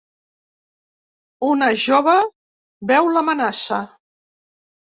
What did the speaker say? Una jove veu l'amenaça.